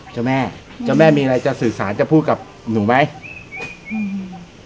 เจ้าแม่เจ้าแม่มีอะไรจะสื่อสารจะพูดกับหนูไหมอืม